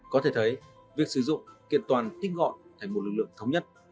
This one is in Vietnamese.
có thể thấy việc sử dụng kiện toàn tích gọi thành một lực lượng thống nhất